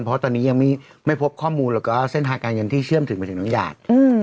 เพราะตอนนี้ยังไม่พบข้อมูลแล้วก็เส้นทางการเงินที่เชื่อมถึงไปถึงน้องหยาด